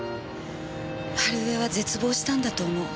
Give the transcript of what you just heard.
春枝は絶望したんだと思う。